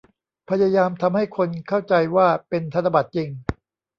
พยายามทำให้คนเข้าใจว่าเป็นธนบัตรจริง